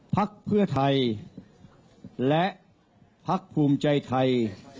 ภักดิ์เพื่อไทยและภักดิ์ภูมิใจไทย